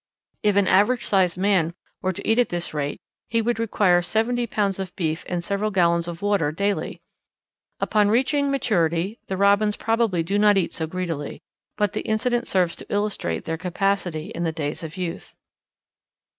If an average sized man were to eat at this rate he would require seventy pounds of beef and several gallons of water daily. Upon reaching maturity the Robins probably do not eat so greedily, but the incident serves to illustrate their capacity in the days of youth.